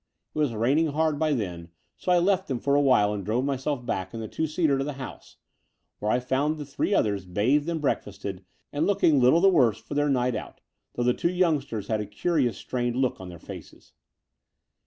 It was raining hard by then ; so I left them for a while and drove myself back in the two seater to the house, where I found the three others bathed and break fasted, and looking little the worse for their night out, though the two youngsters had a ctuious strained look on their faces.